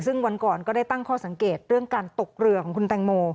ซึ่งวันก่อนก็ได้ตั้งข้อสังเกตเรื่องการตกเรือของคุณแตงโม